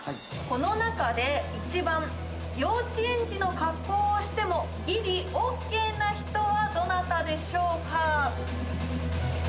この中で１番幼稚園児の格好をしてもギリＯＫな人はどなたでしょうか？